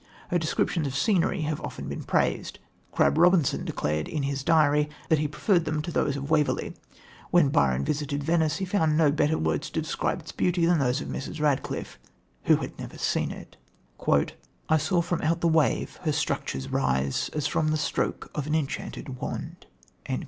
Her descriptions of scenery have often been praised. Crabb Robinson declared in his diary that he preferred them to those of Waverley. When Byron visited Venice he found no better words to describe its beauty than those of Mrs. Radcliffe, who had never seen it: "I saw from out the wave her structures rise As from the stroke of an enchanted wand."